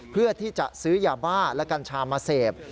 เพื่อที่จะซื้อยาบ้าและกัญชามาเสพ